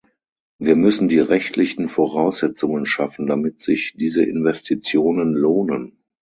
Wir müssen die rechtlichen Voraussetzungen schaffen, damit sich diese Investitionen lohnen.